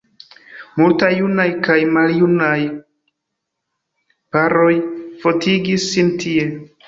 Multaj junaj kaj maljunaj paroj fotigis sin tie.